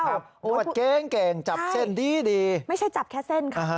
เพราะว่าเก่งเก่งจับเส้นดีดีไม่ใช่จับแค่เส้นค่ะ